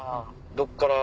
どっから。